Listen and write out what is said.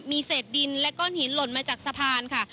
มีเศษดินและก้อนหินหล่นมาจากสะพานค่ะ